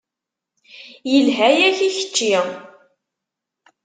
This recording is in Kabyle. Yelha-yak i kečči.